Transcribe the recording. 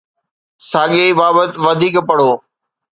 ساڳئي بابت وڌيڪ پڙهو